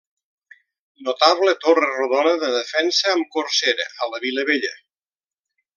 Notable torre rodona de defensa amb corsera a la vila vella.